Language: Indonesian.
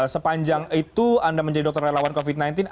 sepanjang itu anda menjadi dokter relawan covid sembilan belas